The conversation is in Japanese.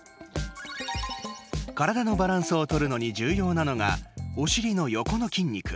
体のバランスをとるのに重要なのが、お尻の横の筋肉。